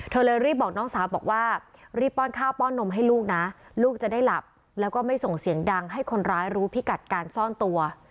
เลยรีบบอกน้องสาวบอกว่ารีบป้อนข้าวป้อนนมให้ลูกนะลูกจะได้หลับแล้วก็ไม่ส่งเสียงดังให้คนร้ายรู้พิกัดการซ่อนตัว